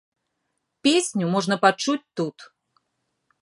Песню можна пачуць тут.